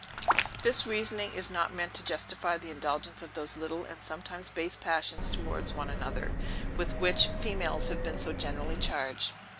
This reasoning is not meant to justify the indulgence of those little and sometimes base passions towards one another, with which females have been so generally charged.